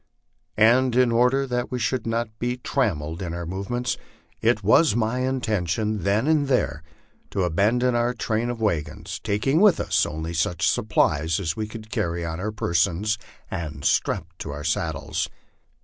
And in order that we should not be trammelled in our movements, it was my intention then and there to abandon our train of wagons, taking with us only such supplies as we could carry on our persons and strapped to our saddles.